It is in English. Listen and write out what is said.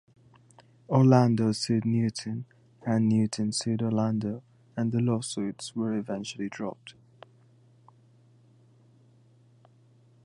Orlando sued Newton, and Newton sued Orlando, and the lawsuits were eventually dropped.